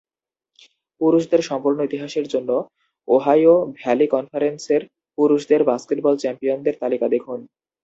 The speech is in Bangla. পুরুষদের সম্পূর্ণ ইতিহাসের জন্য, ওহাইও ভ্যালি কনফারেন্সের পুরুষদের বাস্কেটবল চ্যাম্পিয়নদের তালিকা দেখুন।